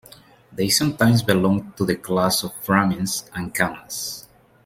They sometimes belong to the class of Brahmins and Kammas.